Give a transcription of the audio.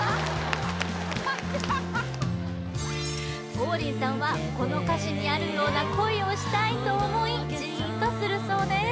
王林さんはこの歌詞にあるような恋をしたいと思いジーンとするそうです・